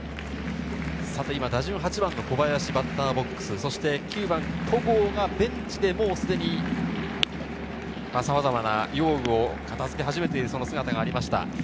今、打順８番・小林、バッターボックス、９番・戸郷がベンチですでにさまざまな用具を片付け始めています。